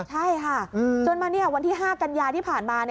ใช่ค่ะจนมาวันที่๕กันยาที่ผ่านมา